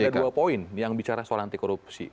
ada dua poin yang bicara soal anti korupsi